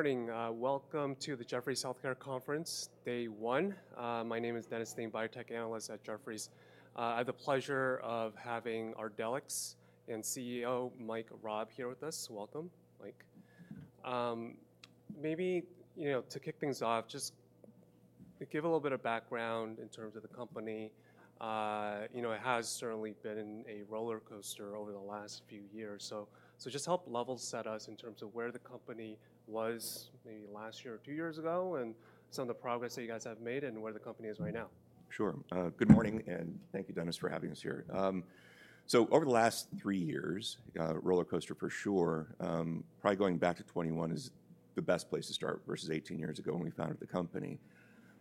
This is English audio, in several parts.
Morning. Welcome to the Jefferies Healthcare Conference, day one. My name is Dennis Ding, Biotech Analyst at Jefferies. I have the pleasure of having Ardelyx and CEO Mike Raab here with us. Welcome, Mike. Maybe, you know, to kick things off, just give a little bit of background in terms of the company. You know, it has certainly been a roller coaster over the last few years. Just help level set us in terms of where the company was maybe last year or two years ago, and some of the progress that you guys have made, and where the company is right now. Sure. Good morning, and thank you, Dennis, for having us here. Over the last three years, roller coaster for sure, probably going back to 2021 is the best place to start versus 18 years ago when we founded the company,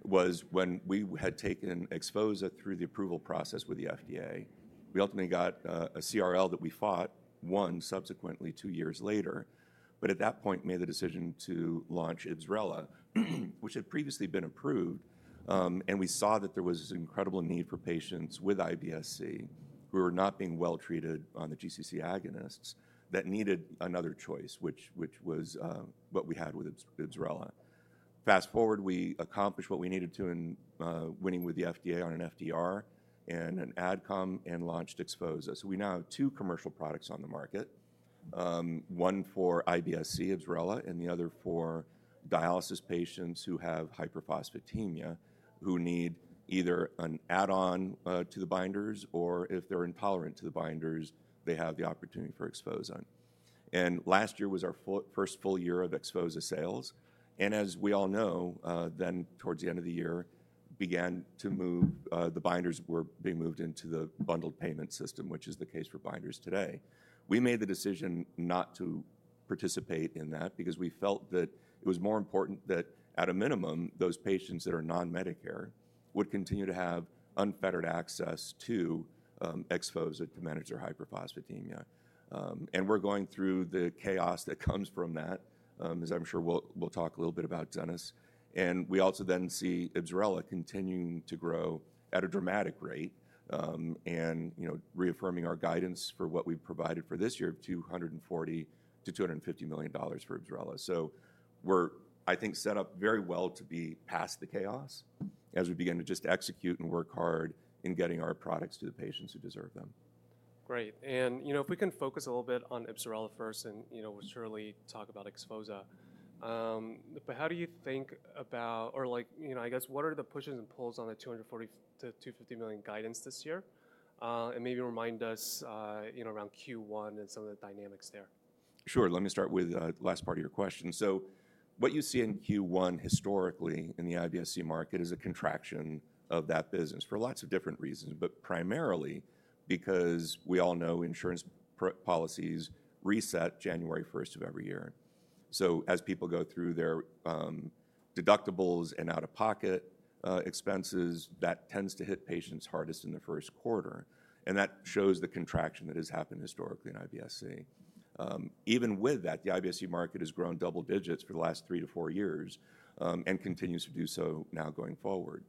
was when we had taken XPHOZAH through the approval process with the FDA. We ultimately got a CRL that we fought, won subsequently two years later, but at that point made the decision to launch IBSRELA, which had previously been approved. We saw that there was an incredible need for patients with IBS-C who were not being well treated on the GC-C agonists that needed another choice, which was what we had with IBSRELA. Fast forward, we accomplished what we needed to in winning with the FDA on an FDR and an AdCom and launched XPHOZAH. We now have two commercial products on the market, one for IBS-C, IBSRELA, and the other for dialysis patients who have hyperphosphatemia who need either an add-on to the binders or, if they're intolerant to the binders, they have the opportunity for XPHOZAH. Last year was our first full year of XPHOZAH sales. As we all know, then towards the end of the year began to move, the binders were being moved into the bundled payment system, which is the case for binders today. We made the decision not to participate in that because we felt that it was more important that, at a minimum, those patients that are non-Medicare would continue to have unfettered access to XPHOZAH to manage their hyperphosphatemia. We're going through the chaos that comes from that, as I'm sure we'll talk a little bit about, Dennis. We also then see IBSRELA continuing to grow at a dramatic rate and reaffirming our guidance for what we've provided for this year of $240-$250 million for IBSRELA. I think we're set up very well to be past the chaos as we begin to just execute and work hard in getting our products to the patients who deserve them. Great. And, you know, if we can focus a little bit on IBSRELA first and, you know, surely talk about XPHOZAH. But how do you think about, or like, you know, I guess, what are the pushes and pulls on the $240-$250 million guidance this year? And maybe remind us, you know, around Q1 and some of the dynamics there. Sure. Let me start with the last part of your question. What you see in Q1 historically in the IBS-C market is a contraction of that business for lots of different reasons, but primarily because we all know insurance policies reset January 1st of every year. As people go through their deductibles and out-of-pocket expenses, that tends to hit patients hardest in the first quarter. That shows the contraction that has happened historically in IBS-C. Even with that, the IBS-C market has grown double digits for the last three to four years and continues to do so now going forward.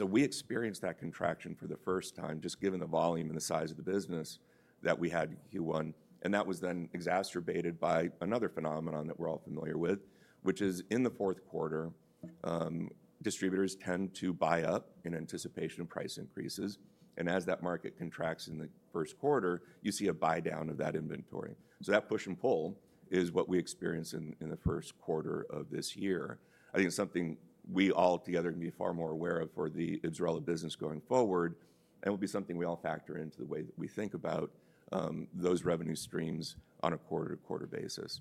We experienced that contraction for the first time just given the volume and the size of the business that we had in Q1. That was then exacerbated by another phenomenon that we are all familiar with, which is in the fourth quarter, distributors tend to buy up in anticipation of price increases. As that market contracts in the first quarter, you see a buy down of that inventory. That push and pull is what we experienced in the first quarter of this year. I think it is something we all together can be far more aware of for the IBSRELA business going forward, and it will be something we all factor into the way that we think about those revenue streams on a quarter-to-quarter basis.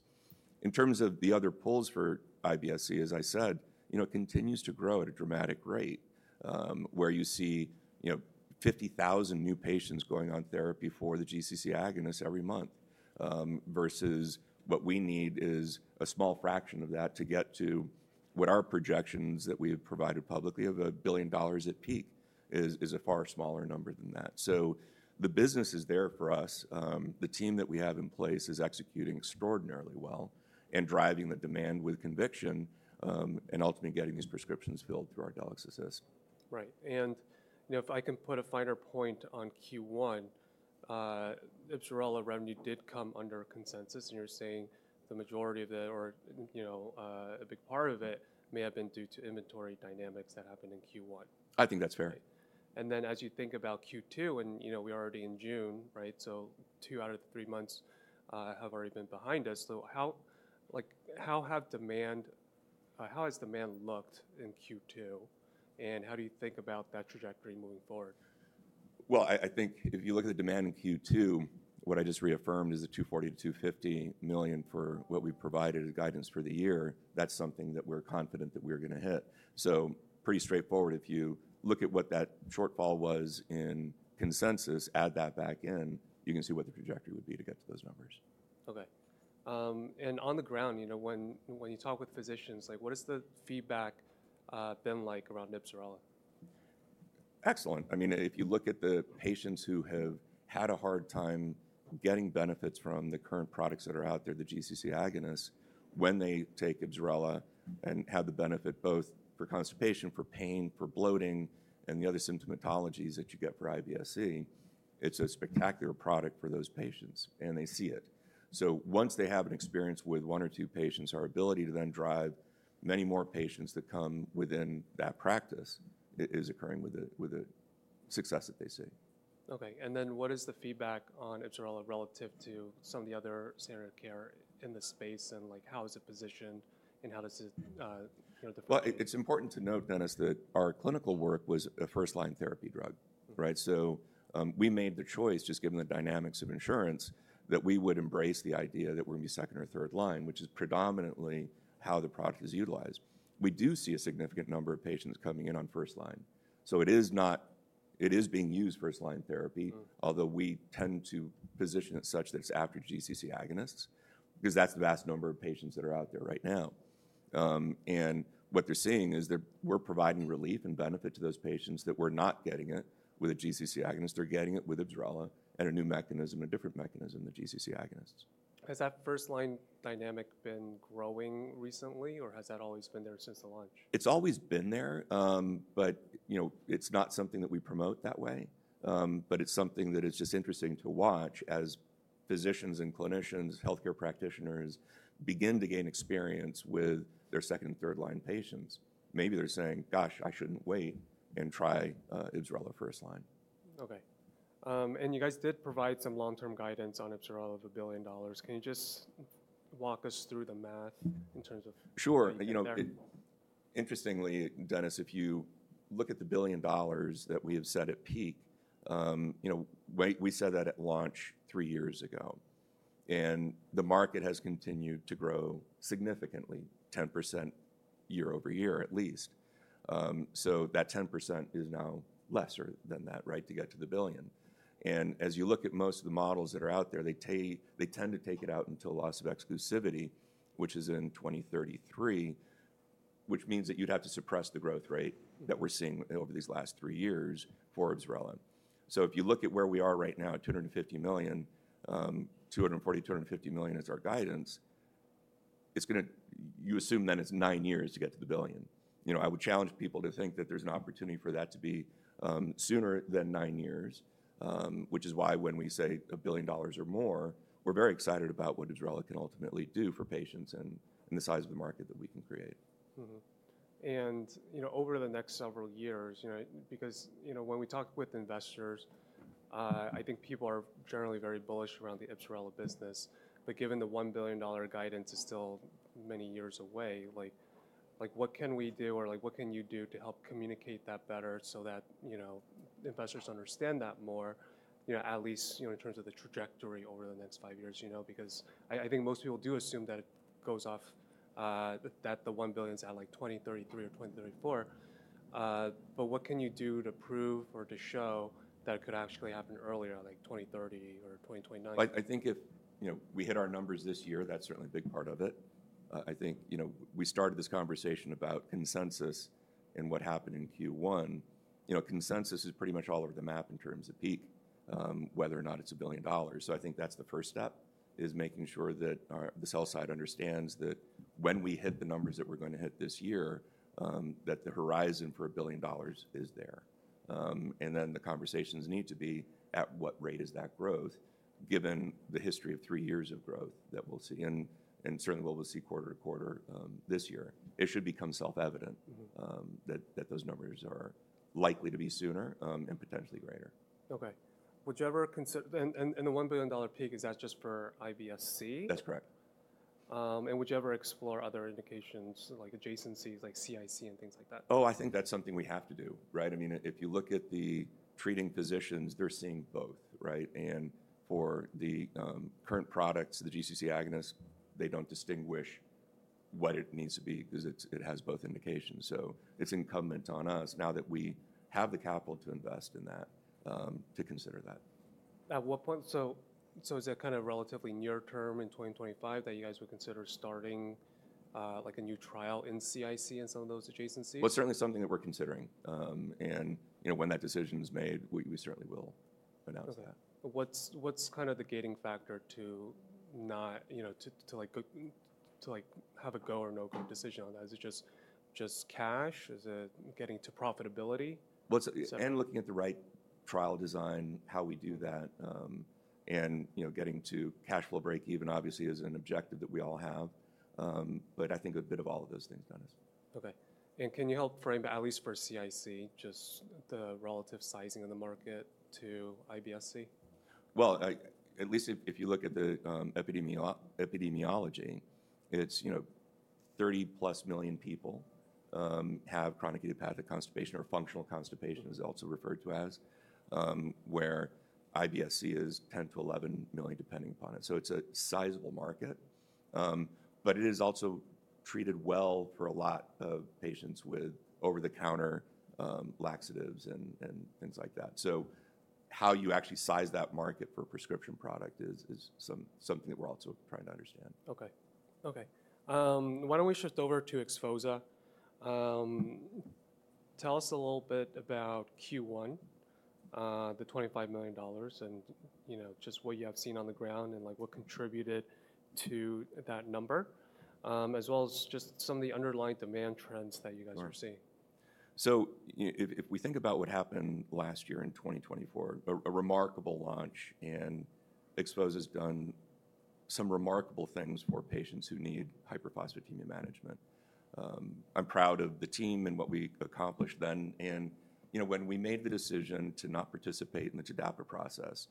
In terms of the other pulls for IBS-C, as I said, you know, it continues to grow at a dramatic rate where you see, you know, 50,000 new patients going on therapy for the GC-C agonists every month versus what we need is a small fraction of that to get to what our projections that we have provided publicly of $1 billion at peak is a far smaller number than that. The business is there for us. The team that we have in place is executing extraordinarily well and driving the demand with conviction and ultimately getting these prescriptions filled through Ardelyx Assist. Right. And, you know, if I can put a finer point on Q1, IBSRELA revenue did come under consensus, and you're saying the majority of it, or, you know, a big part of it may have been due to inventory dynamics that happened in Q1. I think that's fair. As you think about Q2, and, you know, we are already in June, right? Two out of the three months have already been behind us. How, like, how has demand looked in Q2, and how do you think about that trajectory moving forward? I think if you look at the demand in Q2, what I just reaffirmed is the $240-$250 million for what we provided as guidance for the year. That's something that we're confident that we're going to hit. Pretty straightforward, if you look at what that shortfall was in consensus, add that back in, you can see what the trajectory would be to get to those numbers. Okay. On the ground, you know, when you talk with physicians, like, what has the feedback been like around IBSRELA? Excellent. I mean, if you look at the patients who have had a hard time getting benefits from the current products that are out there, the GC-C agonists, when they take IBSRELA and have the benefit both for constipation, for pain, for bloating, and the other symptomatologies that you get for IBS-C, it's a spectacular product for those patients, and they see it. Once they have an experience with one or two patients, our ability to then drive many more patients that come within that practice is occurring with the success that they see. Okay. What is the feedback on IBSRELA relative to some of the other standard of care in the space, and like, how is it positioned, and how does it, you know, differ? It is important to note, Dennis, that our clinical work was a first-line therapy drug, right? We made the choice, just given the dynamics of insurance, that we would embrace the idea that we are going to be second or third line, which is predominantly how the product is utilized. We do see a significant number of patients coming in on first line. It is not, it is being used first-line therapy, although we tend to position it such that it is after GC-C agonists because that is the vast number of patients that are out there right now. What they are seeing is that we are providing relief and benefit to those patients that were not getting it with a GC-C agonist. They are getting it with IBSRELA and a new mechanism, a different mechanism, the GC-C agonists. Has that first-line dynamic been growing recently, or has that always been there since the launch? It's always been there, but, you know, it's not something that we promote that way. But it's something that is just interesting to watch as physicians and clinicians, healthcare practitioners begin to gain experience with their second and third-line patients. Maybe they're saying, "Gosh, I shouldn't wait and try IBSRELA first line. Okay. You guys did provide some long-term guidance on IBSRELA of a billion dollars. Can you just walk us through the math in terms of? Sure. You know, interestingly, Dennis, if you look at the billion dollars that we have set at peak, you know, we said that at launch three years ago, and the market has continued to grow significantly, 10% year-over-year at least. That 10% is now lesser than that, right, to get to the billion. As you look at most of the models that are out there, they tend to take it out until loss of exclusivity, which is in 2033, which means that you'd have to suppress the growth rate that we're seeing over these last three years for IBSRELA. If you look at where we are right now at $250 million, $240-$250 million is our guidance. It's going to, you assume then it's nine years to get to the billion. You know, I would challenge people to think that there's an opportunity for that to be sooner than nine years, which is why when we say a billion dollars or more, we're very excited about what IBSRELA can ultimately do for patients and the size of the market that we can create. You know, over the next several years, you know, because, you know, when we talk with investors, I think people are generally very bullish around the IBSRELA business. Given the $1 billion guidance is still many years away, like, what can we do, or like, what can you do to help communicate that better so that, you know, investors understand that more, you know, at least, you know, in terms of the trajectory over the next five years, you know, because I think most people do assume that it goes off, that the $1 billion is at like 2033 or 2034. What can you do to prove or to show that it could actually happen earlier, like 2030 or 2029? I think if, you know, we hit our numbers this year, that's certainly a big part of it. I think, you know, we started this conversation about consensus and what happened in Q1. You know, consensus is pretty much all over the map in terms of peak, whether or not it's a billion dollars. I think that's the first step is making sure that the sell side understands that when we hit the numbers that we're going to hit this year, that the horizon for a billion dollars is there. The conversations need to be at what rate is that growth, given the history of three years of growth that we'll see, and certainly what we'll see quarter to quarter this year. It should become self-evident that those numbers are likely to be sooner and potentially greater. Okay. Would you ever consider, and the $1 billion peak, is that just for IBS-C? That's correct. Would you ever explore other indications like adjacencies, like CIC and things like that? Oh, I think that's something we have to do, right? I mean, if you look at the treating physicians, they're seeing both, right? And for the current products, the GC-C agonists, they don't distinguish what it needs to be because it has both indications. So it's incumbent on us now that we have the capital to invest in that to consider that. At what point? Is it kind of relatively near term in 2025 that you guys would consider starting like a new trial in CIC and some of those adjacencies? It is certainly something that we are considering. You know, when that decision is made, we certainly will announce that. What's kind of the gating factor to not, you know, to like have a go/no-go decision on that? Is it just cash? Is it getting to profitability? It is and looking at the right trial design, how we do that, and, you know, getting to cash flow break-even, obviously, is an objective that we all have. I think a bit of all of those things, Dennis. Okay. Can you help frame at least for CIC, just the relative sizing of the market to IBS-C? If you look at the epidemiology, it's, you know, 30-plus million people have chronic idiopathic constipation or functional constipation, as it's also referred to as, where IBS-C is 10-11 million depending upon it. It's a sizable market, but it is also treated well for a lot of patients with over-the-counter laxatives and things like that. How you actually size that market for a prescription product is something that we're also trying to understand. Okay. Okay. Why don't we shift over to XPHOZAH? Tell us a little bit about Q1, the $25 million, and, you know, just what you have seen on the ground and like what contributed to that number, as well as just some of the underlying demand trends that you guys are seeing. You know, if we think about what happened last year in 2024, a remarkable launch, and XPHOZAH has done some remarkable things for patients who need hyperphosphatemia management. I'm proud of the team and what we accomplished then. You know, when we made the decision to not participate in the TDAPA process,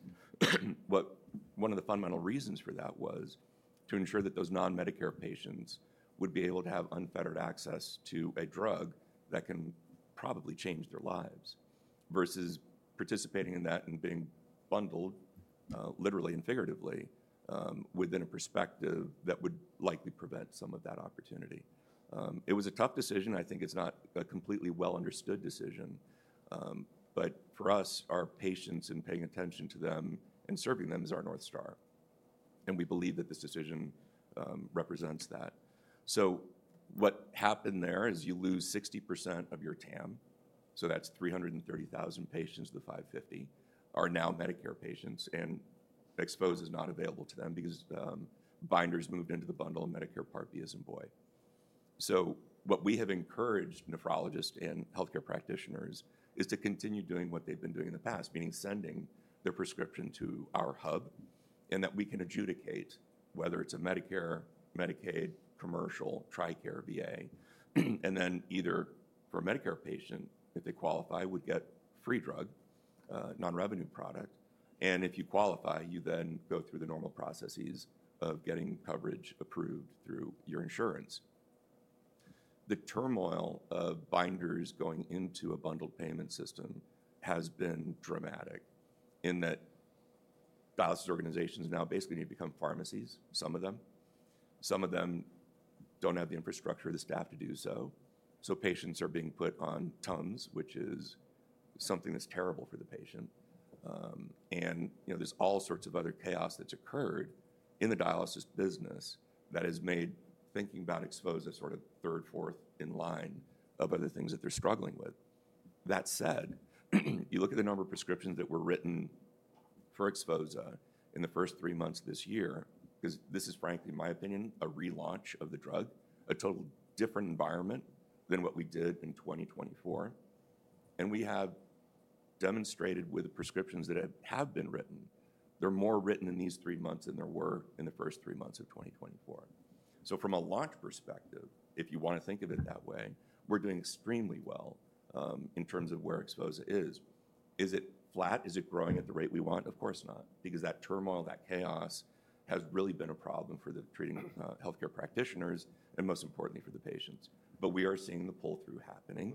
one of the fundamental reasons for that was to ensure that those non-Medicare patients would be able to have unfettered access to a drug that can probably change their lives versus participating in that and being bundled literally and figuratively within a perspective that would likely prevent some of that opportunity. It was a tough decision. I think it's not a completely well-understood decision. For us, our patients and paying attention to them and serving them is our North Star. We believe that this decision represents that. What happened there is you lose 60% of your TAM. That's 330,000 patients, the 550, are now Medicare patients, and XPHOZAH is not available to them because binders moved into the bundle and Medicare Part B as in boy. What we have encouraged nephrologists and healthcare practitioners is to continue doing what they've been doing in the past, meaning sending their prescription to our hub and that we can adjudicate whether it's a Medicare, Medicaid, commercial, Tricare, VA, and then either for a Medicare patient, if they qualify, would get free drug, non-revenue product. If you qualify, you then go through the normal processes of getting coverage approved through your insurance. The turmoil of binders going into a bundled payment system has been dramatic in that dialysis organizations now basically need to become pharmacies, some of them. Some of them do not have the infrastructure or the staff to do so. Patients are being put on TUMS, which is something that is terrible for the patient. You know, there is all sorts of other chaos that has occurred in the dialysis business that has made thinking about XPHOZAH sort of third, fourth in line of other things that they are struggling with. That said, you look at the number of prescriptions that were written for XPHOZAH in the first three months of this year, because this is frankly, in my opinion, a relaunch of the drug, a totally different environment than what we did in 2024. We have demonstrated with the prescriptions that have been written, there are more written in these three months than there were in the first three months of 2024. From a launch perspective, if you want to think of it that way, we're doing extremely well in terms of where XPHOZAH is. Is it flat? Is it growing at the rate we want? Of course not, because that turmoil, that chaos has really been a problem for the treating healthcare practitioners and most importantly for the patients. We are seeing the pull-through happening.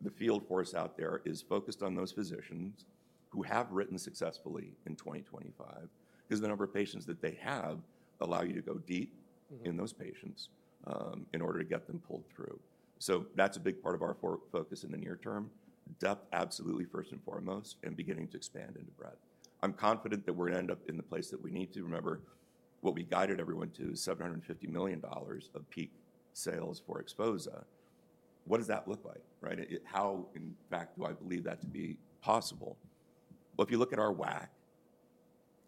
The field force out there is focused on those physicians who have written successfully in 2025, because the number of patients that they have allows you to go deep in those patients in order to get them pulled through. That's a big part of our focus in the near term. Depth, absolutely, first and foremost, and beginning to expand into breadth. I'm confident that we're going to end up in the place that we need to. Remember, what we guided everyone to is $750 million of peak sales for XPHOZAH. What does that look like, right? How, in fact, do I believe that to be possible? If you look at our WAC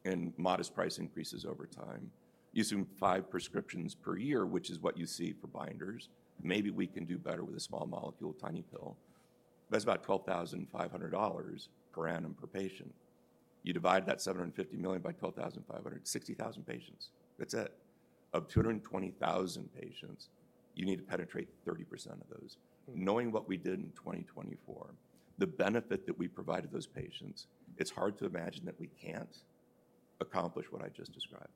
and modest price increases over time, you assume five prescriptions per year, which is what you see for binders. Maybe we can do better with a small molecule, tiny pill. That is about $12,500 per annum per patient. You divide that $750 million by $12,500, 60,000 patients. That is it. Of 220,000 patients, you need to penetrate 30% of those. Knowing what we did in 2024, the benefit that we provided those patients, it is hard to imagine that we cannot accomplish what I just described.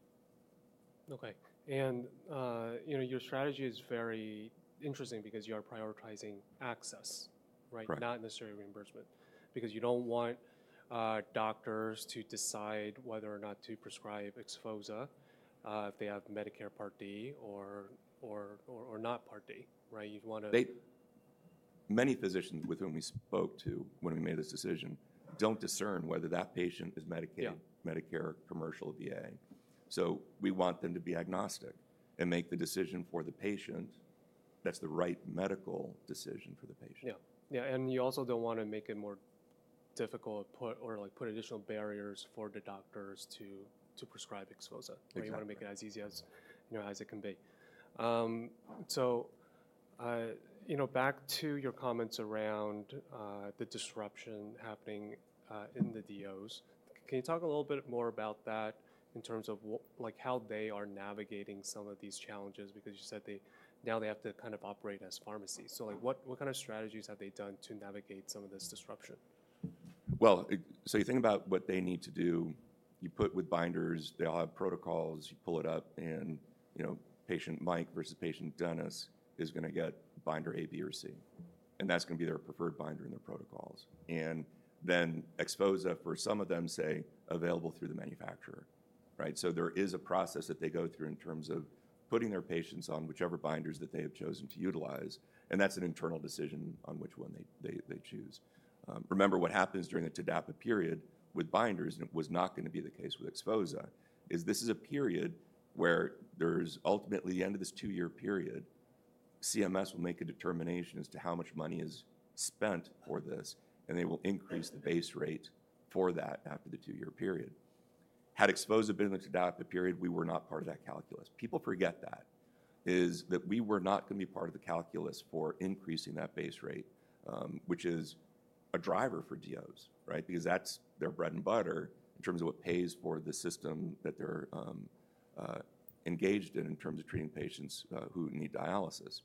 Okay. And, you know, your strategy is very interesting because you are prioritizing access, right? Not necessarily reimbursement, because you do not want doctors to decide whether or not to prescribe XPHOZAH if they have Medicare Part D or not Part D, right? You want to. Many physicians with whom we spoke to when we made this decision do not discern whether that patient is Medicaid, Medicare, commercial, VA. We want them to be agnostic and make the decision for the patient. That is the right medical decision for the patient. Yeah. Yeah. You also don't want to make it more difficult or like put additional barriers for the doctors to prescribe XPHOZAH. You want to make it as easy as, you know, as it can be. You know, back to your comments around the disruption happening in the DOs, can you talk a little bit more about that in terms of like how they are navigating some of these challenges? Because you said they now have to kind of operate as pharmacies. Like what kind of strategies have they done to navigate some of this disruption? You think about what they need to do. You put with binders, they all have protocols. You pull it up and, you know, patient Mike versus patient Dennis is going to get binder A, B, or C. That is going to be their preferred binder in their protocols. XPHOZAH, for some of them, say, available through the manufacturer, right? There is a process that they go through in terms of putting their patients on whichever binders that they have chosen to utilize. That is an internal decision on which one they choose. Remember what happens during the TDAPA period with binders, and it was not going to be the case with XPHOZAH, is this is a period where there's ultimately the end of this two-year period, CMS will make a determination as to how much money is spent for this, and they will increase the base rate for that after the two-year period. Had XPHOZAH been in the TDAPA period, we were not part of that calculus. People forget that, is that we were not going to be part of the calculus for increasing that base rate, which is a driver for DOs, right? Because that's their bread and butter in terms of what pays for the system that they're engaged in in terms of treating patients who need dialysis.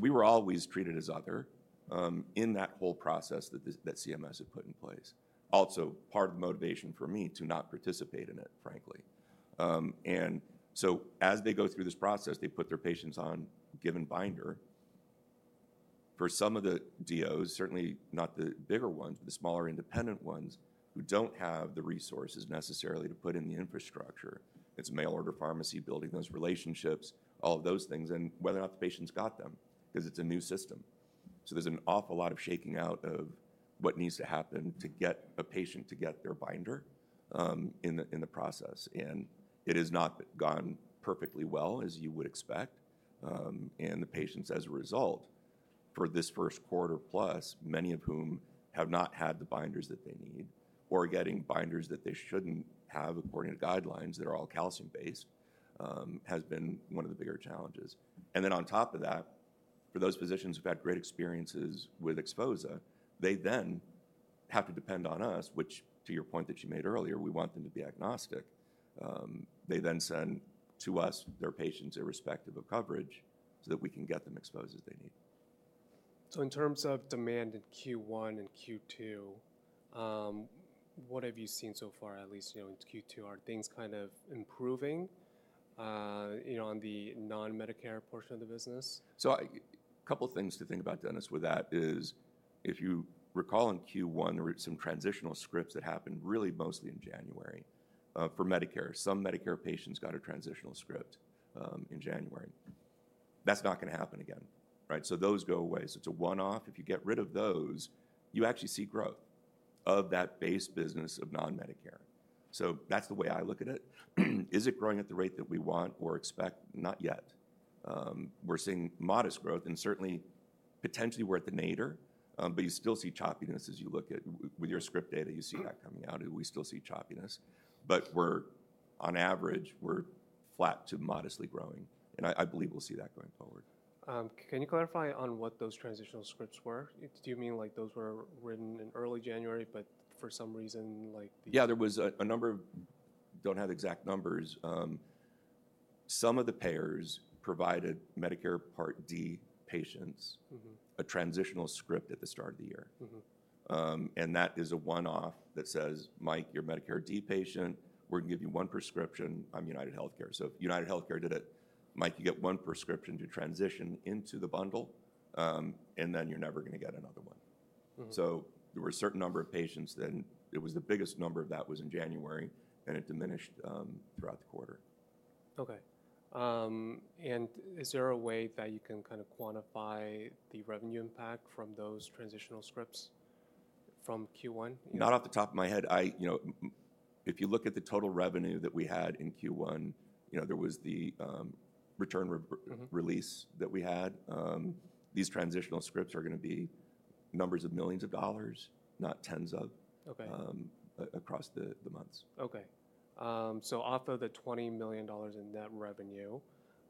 We were always treated as other in that whole process that CMS had put in place. Also part of the motivation for me to not participate in it, frankly. As they go through this process, they put their patients on a given binder. For some of the DOs, certainly not the bigger ones, but the smaller independent ones who do not have the resources necessarily to put in the infrastructure, it is mail order pharmacy, building those relationships, all of those things, and whether or not the patient's got them, because it is a new system. There is an awful lot of shaking out of what needs to happen to get a patient to get their binder in the process. It has not gone perfectly well, as you would expect. The patients, as a result, for this first quarter plus, many of whom have not had the binders that they need or are getting binders that they should not have according to guidelines that are all calcium-based, has been one of the bigger challenges. On top of that, for those physicians who have had great experiences with XPHOZAH, they then have to depend on us, which to your point that you made earlier, we want them to be agnostic. They then send to us their patients irrespective of coverage so that we can get them XPHOZAH as they need. In terms of demand in Q1 and Q2, what have you seen so far, at least, you know, in Q2? Are things kind of improving, you know, on the non-Medicare portion of the business? A couple of things to think about, Dennis, with that is if you recall in Q1, there were some transitional scripts that happened really mostly in January for Medicare. Some Medicare patients got a transitional script in January. That is not going to happen again, right? Those go away. It is a one-off. If you get rid of those, you actually see growth of that base business of non-Medicare. That is the way I look at it. Is it growing at the rate that we want or expect? Not yet. We are seeing modest growth and certainly potentially we are at the nadir, but you still see choppiness as you look at with your script data, you see that coming out. We still see choppiness. We are on average, we are flat to modestly growing. I believe we will see that going forward. Can you clarify on what those transitional scripts were? Do you mean like those were written in early January, but for some reason, like the. Yeah, there was a number of, don't have exact numbers. Some of the payers provided Medicare Part D patients a transitional script at the start of the year. That is a one-off that says, "Mike, you're a Medicare D patient. We're going to give you one prescription on UnitedHealthcare." If UnitedHealthcare did it, "Mike, you get one prescription to transition into the bundle, and then you're never going to get another one." There were a certain number of patients that it was the biggest number of that was in January, and it diminished throughout the quarter. Okay. Is there a way that you can kind of quantify the revenue impact from those transitional scripts from Q1? Not off the top of my head. I, you know, if you look at the total revenue that we had in Q1, you know, there was the return release that we had. These transitional scripts are going to be numbers of millions of dollars, not tens of across the months. Okay. Off of the $20 million in net revenue,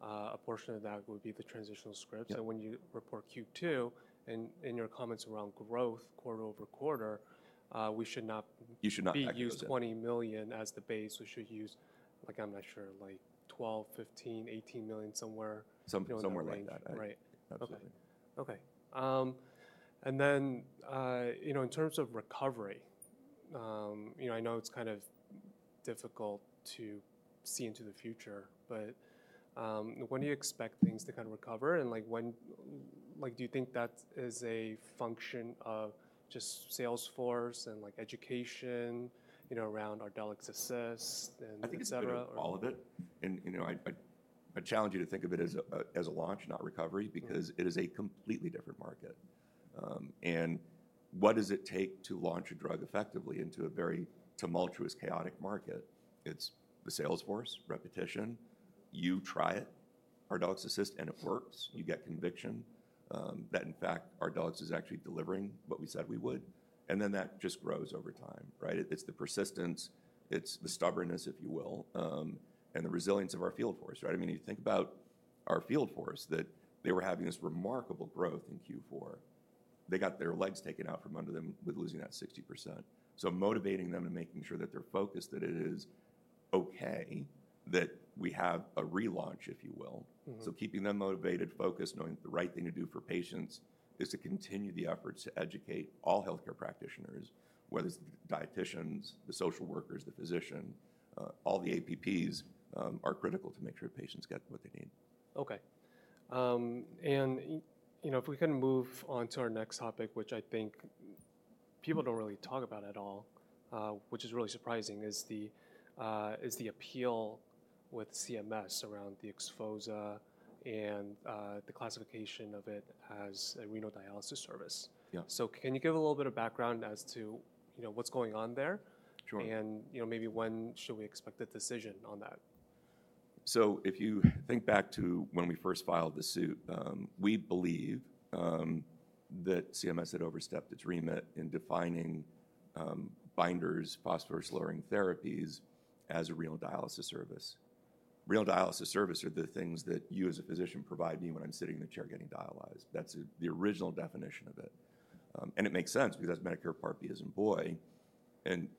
a portion of that would be the transitional scripts. When you report Q2 and in your comments around growth quarter over quarter, we should not be using $20 million as the base. We should use, like, I am not sure, like $12 million, $15 million, $18 million somewhere. Somewhere like that. Right. Okay. Okay. And then, you know, in terms of recovery, you know, I know it's kind of difficult to see into the future, but when do you expect things to kind of recover? And like, when do you think that is a function of just Salesforce and like education, you know, around Ardelyx Assist and et cetera? I think it's all of it. You know, I challenge you to think of it as a launch, not recovery, because it is a completely different market. What does it take to launch a drug effectively into a very tumultuous, chaotic market? It's the Salesforce repetition. You try it, Ardelyx Assist, and it works. You get conviction that, in fact, Ardelyx is actually delivering what we said we would. That just grows over time, right? It's the persistence, it's the stubbornness, if you will, and the resilience of our field force, right? I mean, you think about our field force that they were having this remarkable growth in Q4. They got their legs taken out from under them with losing that 60%. Motivating them and making sure that they're focused, that it is okay that we have a relaunch, if you will. Keeping them motivated, focused, knowing the right thing to do for patients is to continue the efforts to educate all healthcare practitioners, whether it's the dieticians, the social workers, the physician, all the APPs are critical to make sure patients get what they need. Okay. And, you know, if we can move on to our next topic, which I think people do not really talk about at all, which is really surprising, is the appeal with CMS around the XPHOZAH and the classification of it as a renal dialysis service. So can you give a little bit of background as to, you know, what is going on there? And, you know, maybe when should we expect a decision on that? If you think back to when we first filed the suit, we believe that CMS had overstepped its remit in defining binders, phosphorus-lowering therapies as a renal dialysis service. Renal dialysis service are the things that you as a physician provide me when I'm sitting in the chair getting dialyzed. That's the original definition of it. It makes sense because that's Medicare Part B as in boy.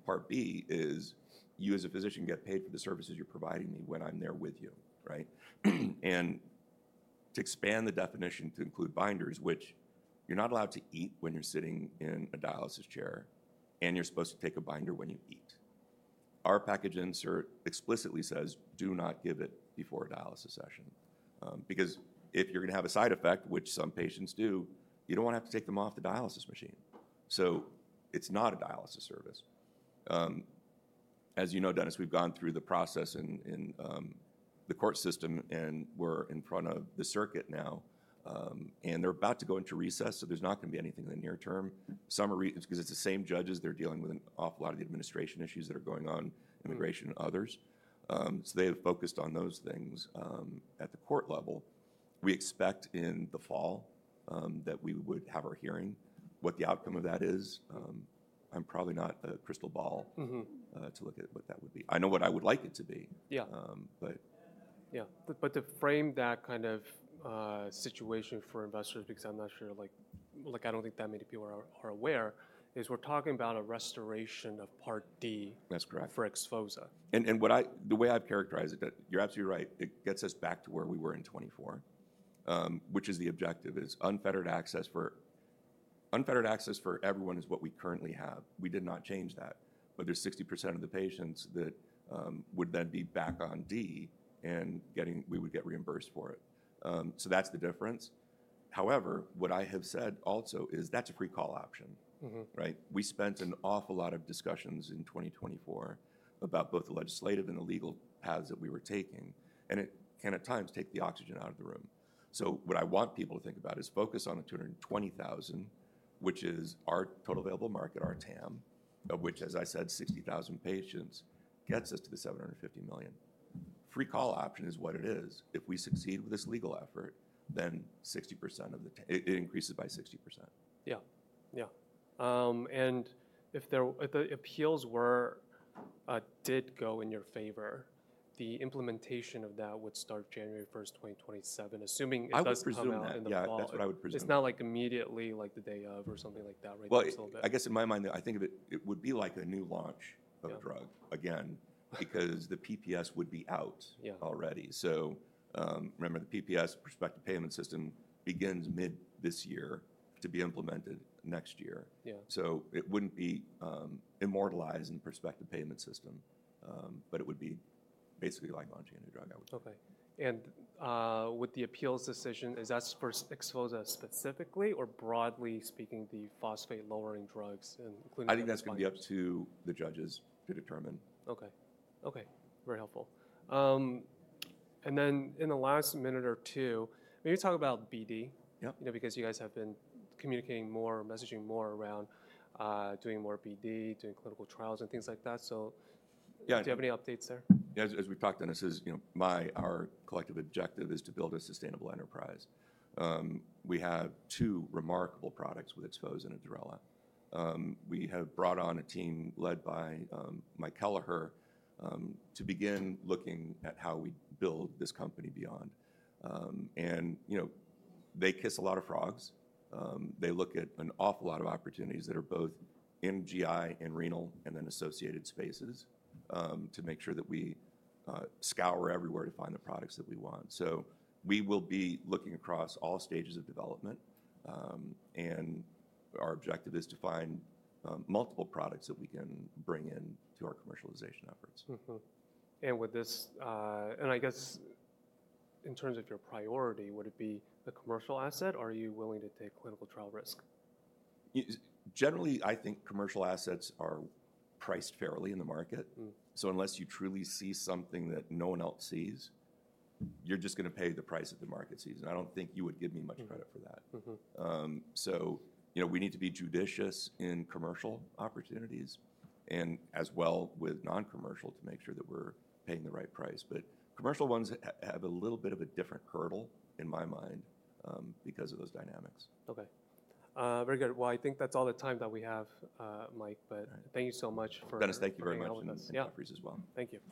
Part B is you as a physician get paid for the services you're providing me when I'm there with you, right? To expand the definition to include binders, which you're not allowed to eat when you're sitting in a dialysis chair, and you're supposed to take a binder when you eat. Our package insert explicitly says, "Do not give it before a dialysis session." Because if you're going to have a side effect, which some patients do, you don't want to have to take them off the dialysis machine. It is not a dialysis service. As you know, Dennis, we've gone through the process in the court system, and we're in front of the circuit now. They are about to go into recess, so there is not going to be anything in the near term. Because it is the same judges, they are dealing with an awful lot of the administration issues that are going on, immigration, and others. They have focused on those things at the court level. We expect in the fall that we would have our hearing. What the outcome of that is, I am probably not a crystal ball to look at what that would be. I know what I would like it to be. Yeah. Yeah. To frame that kind of situation for investors, because I'm not sure, like, I don't think that many people are aware, is we're talking about a restoration of Part D. That's correct. For Exposa. What I, the way I've characterized it, you're absolutely right. It gets us back to where we were in 2024, which is the objective, is unfettered access for everyone is what we currently have. We did not change that. There's 60% of the patients that would then be back on D and getting, we would get reimbursed for it. That's the difference. However, what I have said also is that's a free call option, right? We spent an awful lot of discussions in 2024 about both the legislative and the legal paths that we were taking. It can at times take the oxygen out of the room. What I want people to think about is focus on the 220,000, which is our total available market, our TAM, of which, as I said, 60,000 patients gets us to the $750 million. Free call option is what it is. If we succeed with this legal effort, then 60% of the, it increases by 60%. Yeah. Yeah. If the appeals were, did go in your favor, the implementation of that would start January 1st, 2027, assuming it does not come out in the fall. That's what I would presume. It's not like immediately like the day of or something like that, right? I guess in my mind, I think of it, it would be like a new launch of a drug again, because the PPS would be out already. Remember the PPS, prospective payment system, begins mid this year to be implemented next year. It would not be immortalized in the prospective payment system, but it would be basically like launching a new drug, I would say. Okay. With the appeals decision, is that for XPHOZAH specifically or, broadly speaking, the phosphate-lowering drugs including? I think that's going to be up to the judges to determine. Okay. Okay. Very helpful. In the last minute or two, maybe talk about BD, you know, because you guys have been communicating more, messaging more around doing more BD, doing clinical trials and things like that. Do you have any updates there? Yeah. As we've talked, Dennis is, you know, my, our collective objective is to build a sustainable enterprise. We have two remarkable products with XPHOZAH and IBSRELA. We have brought on a team led by Mike Kelleher to begin looking at how we build this company beyond. You know, they kiss a lot of frogs. They look at an awful lot of opportunities that are both GI and renal and then associated spaces to make sure that we scour everywhere to find the products that we want. We will be looking across all stages of development. Our objective is to find multiple products that we can bring in to our commercialization efforts. With this, and I guess in terms of your priority, would it be a commercial asset or are you willing to take clinical trial risk? Generally, I think commercial assets are priced fairly in the market. So unless you truly see something that no one else sees, you're just going to pay the price that the market sees. And I don't think you would give me much credit for that. So, you know, we need to be judicious in commercial opportunities and as well with non-commercial to make sure that we're paying the right price. But commercial ones have a little bit of a different hurdle in my mind because of those dynamics. Okay. Very good. I think that's all the time that we have, Mike, but thank you so much for. Dennis, thank you very much. Yeah. Jefferies as well. Thank you.